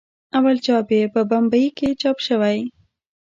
اول چاپ یې په بمبئي کې چاپ شوی.